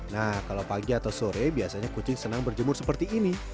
nah kalau pagi atau sore biasanya kucing senang berjemur seperti ini